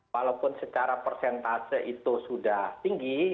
walaupun secara persentase itu sudah tinggi